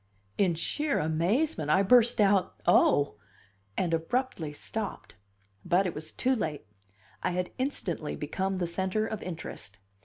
In sheer amazement I burst out, "Oh!" and abruptly stopped. But it was too late. I had instantly become the centre of interest.